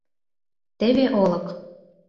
Теве олык.